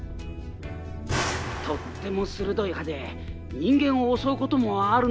とっても鋭い歯で人間を襲うこともあるんだよ。